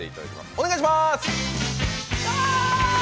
お願いします！